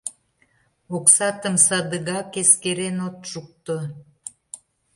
Оксатым садыгак эскерен от шукто!